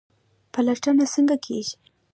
پلټنه څنګه کیږي؟